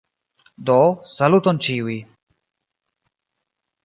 Do, saluton ĉiuj.